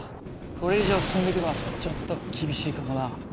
これ以上進んでいくのはちょっと厳しいかもな。